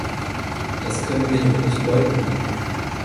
Das können wir doch nicht leugnen.